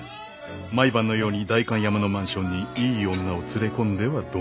毎晩のように代官山のマンションにいい女を連れ込んではどんちゃん騒ぎ。